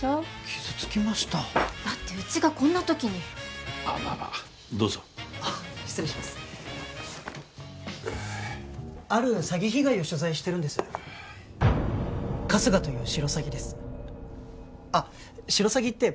傷つきましただってうちがこんな時にああまあまあどうぞあっ失礼しますある詐欺被害を取材してるんです春日というシロサギですあっシロサギって